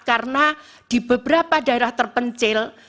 karena di beberapa daerah terpencil